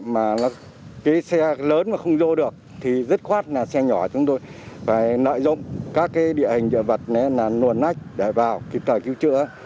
mà cái xe lớn mà không vô được thì rất khoát là xe nhỏ chúng tôi phải nợ dụng các cái địa hình dựa vật này là nguồn nách để vào kịp thời cứu chữa